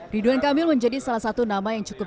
ridwan kamil menjadi salah satu nama yang cukup